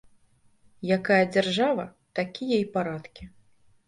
Якая дзяржава, такія і парадкі.